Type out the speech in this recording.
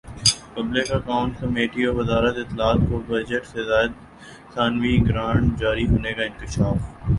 public accounts کمیٹیوزارت اطلاعات کو بجٹ سے زائد ثانوی گرانٹ جاری ہونے کا انکشاف